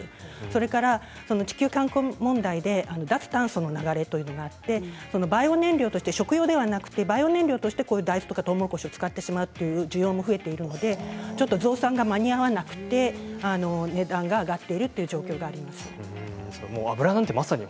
それから地球環境問題で脱炭素の流れがあってバイオ燃料として食用ではなくバイオ燃料として大豆やとうもろこしを使う需要も増えているので増産が間に合わなくて値段が上がっているという状況があります。